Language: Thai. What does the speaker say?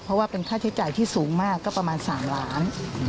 เพราะว่าเป็นค่าใช้จ่ายที่สูงมากก็ประมาณ๓ล้าน